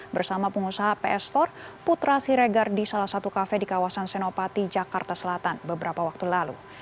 bersama pengusaha ps store putra siregar di salah satu kafe di kawasan senopati jakarta selatan beberapa waktu lalu